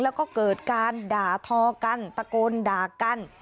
แล้วก็เกิดการด่าทอกันตะโกนด่ากัน